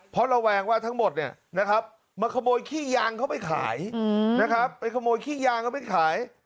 เพราะระวังว่าทั้งหมดมาขโมยขี้ยางเขาไปขายไปขโมยขี้ยางเขาไปขาย